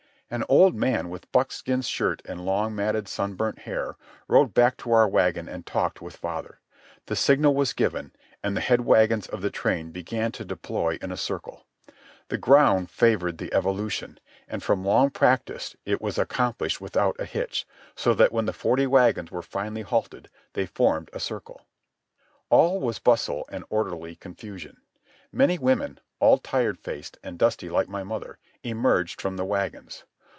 An old man, with buckskin shirt and long, matted, sunburnt hair, rode back to our wagon and talked with father. The signal was given, and the head wagons of the train began to deploy in a circle. The ground favoured the evolution, and, from long practice, it was accomplished without a hitch, so that when the forty wagons were finally halted they formed a circle. All was bustle and orderly confusion. Many women, all tired faced and dusty like my mother, emerged from the wagons.